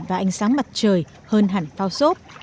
và ánh sáng mặt trời hơn hẳn phao sốt